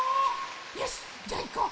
よしじゃあいこう。